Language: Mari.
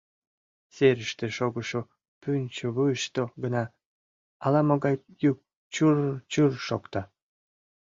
Серыште шогышо пӱнчӧ вуйышто гына ала-могай йӱк чур-р, чур-р шокта.